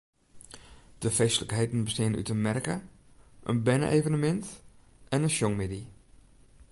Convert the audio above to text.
De feestlikheden besteane út in merke, in berne-evenemint en in sjongmiddei.